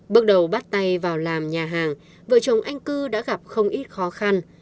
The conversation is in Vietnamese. bước đầu bắt tay vào làm nhà hàng vợ chồng anh cư đã gặp không ít khó khăn